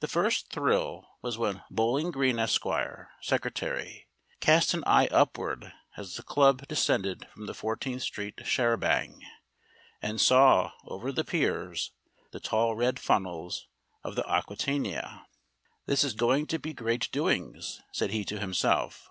The first thrill was when Bowling Green, Esq., secretary, cast an eye upward as the club descended from the Fourteenth Street sharabang, and saw, over the piers, the tall red funnels of the Aquitania. This is going to be great doings, said he to himself.